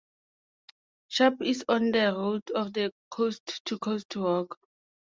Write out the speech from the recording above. Shap is on the route of the Coast to Coast Walk.